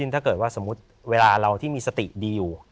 ถ้าเกิดว่าสมมุติเวลาเราที่มีสติดีอยู่